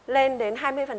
lên đến hai mươi